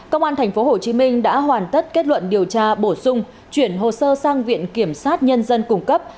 công an thành phố hồ chí minh đã hoàn tất kết luận điều tra bổ sung chuyển hồ sơ sang viện kiểm sát nhân dân cung cấp